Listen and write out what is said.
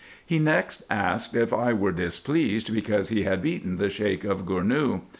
He next asked, if I were displeased because he had beaten the Sheik of Gournou.